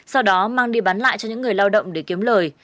sau đó mang đi bán lại cho những người lao động để kiếm lời